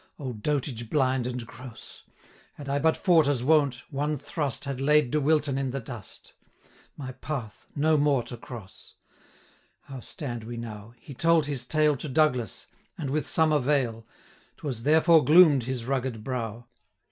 O dotage blind and gross! 520 Had I but fought as wont, one thrust Had laid De Wilton in the dust, My path no more to cross. How stand we now? he told his tale To Douglas; and with some avail; 525 'Twas therefore gloom'd his rugged brow.